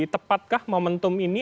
tepatkah momentum ini